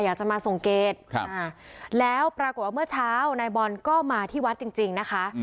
อยากจะมาส่งเกตแล้วปรากฏว่าเมื่อเช้านายบอลก็มาที่วัดจริงนะคะ